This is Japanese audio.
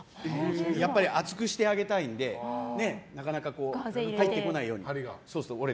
やっぱり厚くしてあげたいのでなかなか入ってこないように。